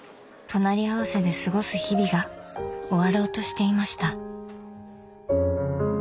隣り合わせで過ごす日々が終わろうとしていました。